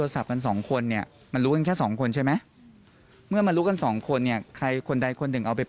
สุภาพตื่นงานแบบสุภาพ